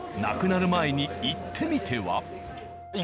なくなる前に行ってみては？